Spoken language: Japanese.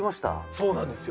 そうなんですよ